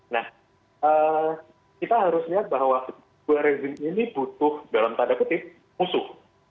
nah kita harus lihat bahwa kedua rezim ini butuh dalam tanda kutip musuh